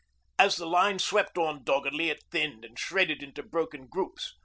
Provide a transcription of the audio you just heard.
As the line swept on doggedly it thinned and shredded into broken groups.